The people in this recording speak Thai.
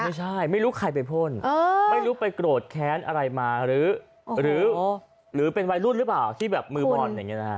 ไม่รู้ใครไปพ่นไม่รู้ไปโกรธแค้นอะไรมาหรือเป็นวัยรุ่นหรือเปล่าที่แบบมือบอลอย่างนี้นะฮะ